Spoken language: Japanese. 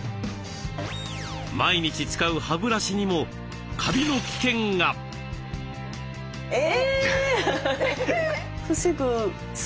毎日使う歯ブラシにもカビの危険が。え。